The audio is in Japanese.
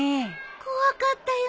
怖かったよね。